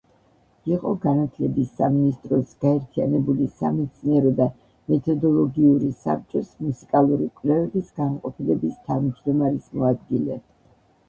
იყო განათლების სამინისტროს გაერთიანებული სამეცნიერო და მეთოდოლოგიური საბჭოს მუსიკალური კვლევების განყოფილების თავმჯდომარის მოადგილე.